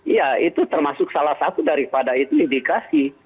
iya itu termasuk salah satu daripada itu indikasi